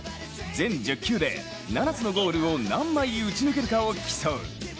全１０球で７つのゴールを何枚打ち抜けるかを競う。